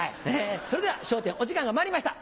それでは『笑点』お時間がまいりました